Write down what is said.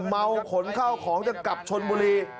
เมาขนเข้าของจะกลับชนบุรี